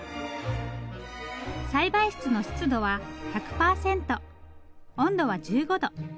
栽培室の湿度は１００％温度は１５度。